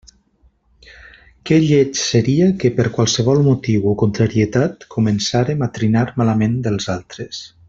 Que lleig seria que, per qualsevol motiu o contrarietat, començàrem a trinar malament dels altres!